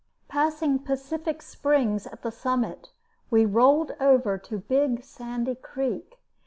Passing Pacific Springs at the summit, we rolled over to Big Sandy Creek.